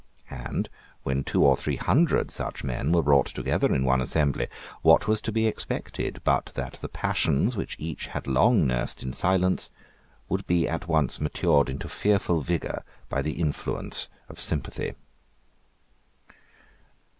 And, when two or three hundred such men were brought together in one assembly, what was to be expected but that the passions which each had long nursed in silence would be at once matured into fearful vigour by the influence of sympathy?